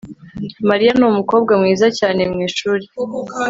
Mariya numukobwa mwiza cyane mwishuri